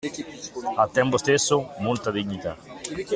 Al tempo stesso, molta dignità.